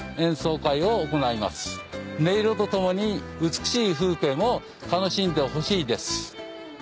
音色とともに美しい風景も楽しんでほしいです。